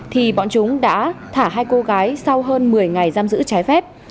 thì bọn chúng đã thả hai cô gái sau hơn một mươi ngày giam giữ trái phép